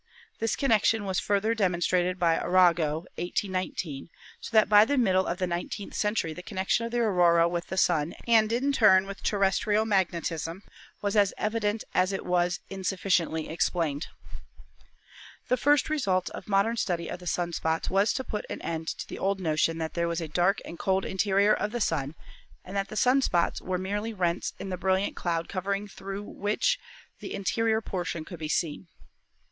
This connection was further demon strated by Arago (1819), so that by the middle of the nineteenth century the connection of the Aurora with the Sun and in turn with terrestrial magnetism was as evident as it was insufficiently explained. THE SUN 103 The first result of the modern study of the sun spots was to put an end to the old notion that there was a dark and cold interior of the Sun and that the sun spots were merely rents in the brilliant cloud covering through which the interior portion could be seen.